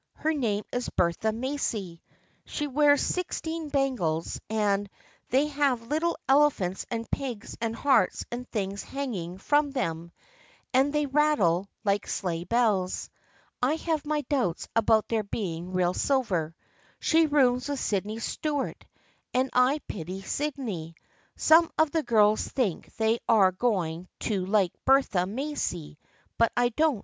Her name is Bertha Macy. She wears sixteen bangles and they have little elephants and pigs and hearts and things hanging from them and they rattle like sleigh bells. I have my doubts about their being real silver. She rooms with Sydney Stuart and I pity Sydney. Some of the girls think they are going to like Bertha Macy but I don't.